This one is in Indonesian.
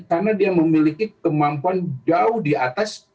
karena dia memiliki kemampuan jauh di atas